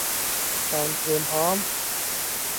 การเตรียมพร้อม